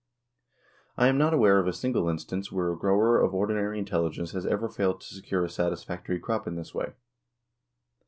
I am not aware of a single instance where a grower of ordinary intelligence has ever failed to secure a satisfactory crop in this way.